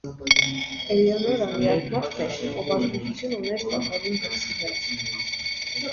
Էլեոնորան միակ մարդն էր, ով ազդեցություն ուներ տաքարյուն դքսի վրա։